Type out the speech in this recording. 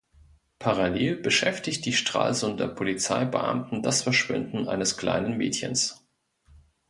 Parallel beschäftigt die Stralsunder Polizeibeamten das Verschwinden eines kleinen Mädchens.